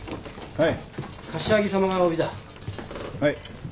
はい。